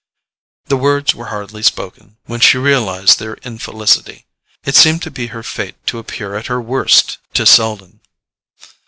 The words were hardly spoken when she realized their infelicity. It seemed to be her fate to appear at her worst to Selden.